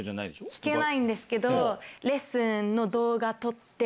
弾けないんですけど。